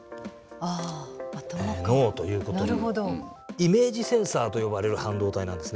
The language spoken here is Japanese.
イメージセンサーと呼ばれる半導体なんですね。